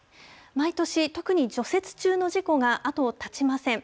毎年、特に除雪中の事故が後を絶ちません。